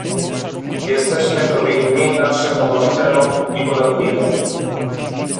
Jesteśmy to winni naszym obywatelom i podatnikom